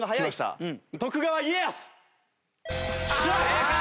正解！